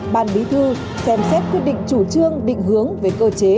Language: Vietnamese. ban bí thư xem xét quyết định chủ trương định hướng về cơ chế